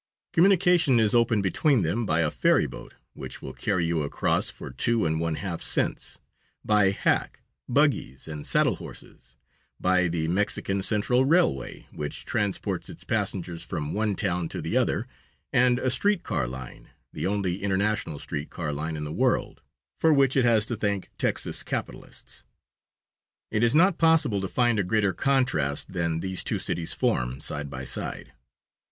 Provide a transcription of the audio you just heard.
Communication is open between them by a ferryboat, which will carry you across for two and one half cents, by hack, buggies, and saddle horses, by the Mexican Central Railway, which transports its passengers from one town to the other, and a street car line, the only international street car line in the world, for which it has to thank Texas capitalists. It is not possible to find a greater contrast than these two cities form, side by side.